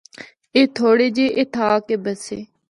اے تھوڑے جے اِتھا آ کے بسے۔